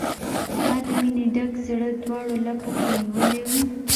ما د مینې ډک زړه، دواړو لپو کې نیولی و